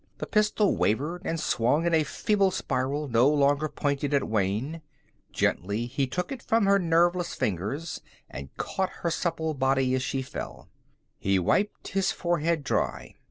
The pistol wavered and swung in a feeble spiral, no longer pointed at Wayne. Gently, he took it from her nerveless fingers and caught her supple body as she fell. He wiped his forehead dry.